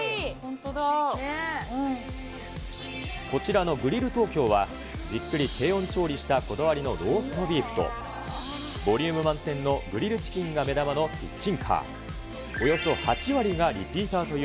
こちらのグリルトーキョーは、じっくり低温調理したこだわりのローストビーフと、ボリューム満点のグリルチキンが目玉のキッチンカー。